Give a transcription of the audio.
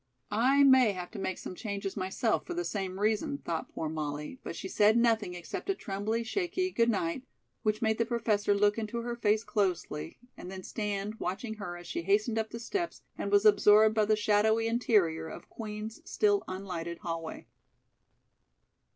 "I may have to make some changes myself for the same reason," thought poor Molly, but she said nothing except a trembly, shaky "good night," which made the Professor look into her face closely and then stand watching her as she hastened up the steps and was absorbed by the shadowy interior of Queen's still unlighted hallway.